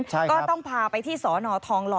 ก็ต้องพาไปที่สอนอทองหล่อ